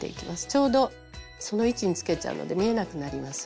ちょうどその位置につけちゃうので見えなくなります。